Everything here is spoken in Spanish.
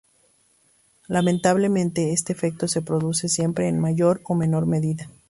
Lamentablemente, este efecto se produce siempre en mayor o menor medida.